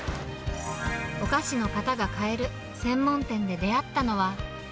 お菓子の型が買える専門店で出会ったのは。